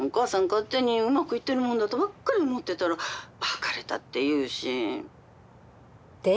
勝手にうまくいってるもんだとばっかり思ってたら☎別れたっていうしで？